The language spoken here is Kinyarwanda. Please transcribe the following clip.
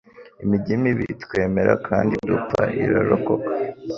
Imijyi mibi twemera kandi dupfa; irarokoka,